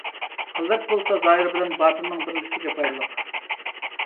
خىلۋەت بولسا زاھىر بىلەن باتىننىڭ بىرلىشىشىگە پايدىلىق.